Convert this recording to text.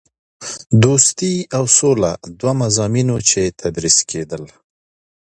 دوستي او سوله دوه مضامین وو چې تدریس کېدل.